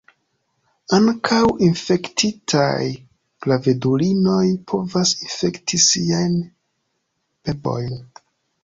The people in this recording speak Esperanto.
Ankaŭ infektitaj gravedulinoj povas infekti siajn bebojn.